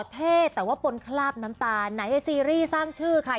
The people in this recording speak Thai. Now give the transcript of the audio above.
เท่แต่ว่าบนคราบน้ำตาไหนซีรีส์สร้างชื่อค่ะ